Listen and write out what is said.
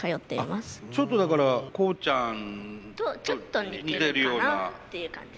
ちょっとだからコウちゃん。とちょっと似てるかなっていう感じ。